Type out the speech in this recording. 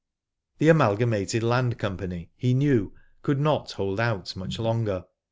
The Amalgamated Land Company he knew could not hold out much longer.